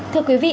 thưa quý vị